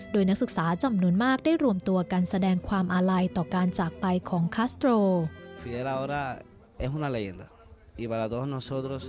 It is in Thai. โดยนักศึกษาจำนวนมากได้รวมตัวกันแสดงความอาลัยต่อการจากไปของคัสโตร